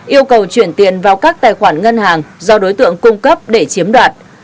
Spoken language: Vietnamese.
yêu cầu chuyển tiền vào các tài khoản ngân hàng do đối tượng cung cấp để chiếm đoạt